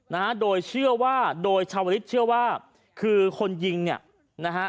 นะฮะโดยเชื่อว่าโดยชาวลิศเชื่อว่าคือคนยิงเนี่ยนะฮะ